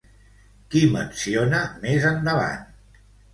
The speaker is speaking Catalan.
Qui menciona més endavant?